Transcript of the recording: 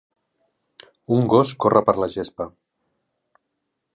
Un gos corre per la gespa.